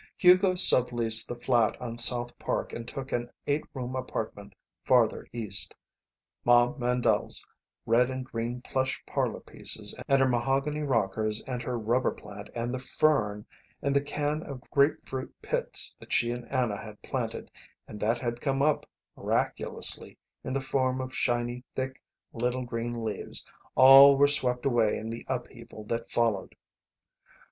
Hugo sub leased the flat on South Park and took an eight room apartment farther east. Ma Mandle's red and green plush parlour pieces, and her mahogany rockers, and her rubber plant, and the fern, and the can of grapefruit pits that she and Anna had planted and that had come up, miraculously, in the form of shiny, thick little green leaves, all were swept away in the upheaval that followed.